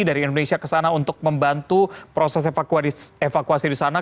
dari indonesia ke sana untuk membantu proses evakuasi di sana